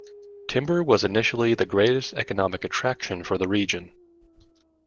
Timber was initially the greatest economic attraction for the region.